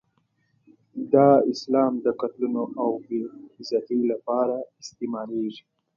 دا اسلام د قتلونو او بې عزتۍ لپاره استعمالېږي.